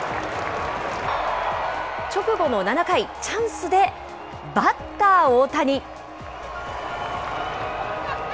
直後の７回、チャンスでバッター大谷。